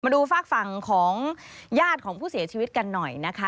ดูฝากฝั่งของญาติของผู้เสียชีวิตกันหน่อยนะคะ